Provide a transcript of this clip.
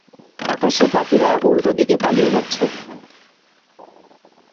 আকাশে পাখিরা উল্টোদিকে পালিয়ে যাচ্ছে।